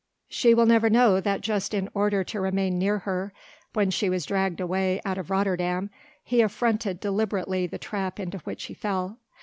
She will never know that just in order to remain near her, when she was dragged away out of Rotterdam he affronted deliberately the trap into which he fell.